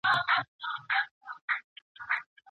که د سړک غاړې پلورونکي منظم سي، نو پلې لاري نه بندیږي.